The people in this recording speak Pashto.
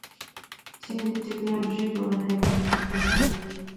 چین د ټیکنالوژۍ په برخه کې مخکښ دی.